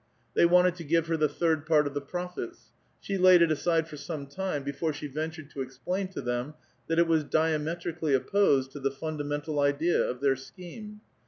They wanted to give her the tliird part of the profits ; slic laid it aside for ^ome time before she ventured to explain to them that it was d iiinietrically opposed to the fundamental idea of their s^oheiiie.